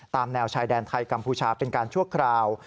แนวชายแดนไทยกัมพูชาเป็นการชั่วคราว